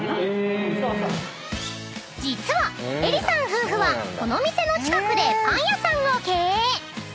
［実は恵理さん夫婦はこの店の近くでパン屋さんを経営］